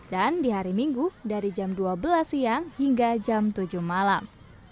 dan di hari minggu dari jam dua belas siang hingga jam tujuh malam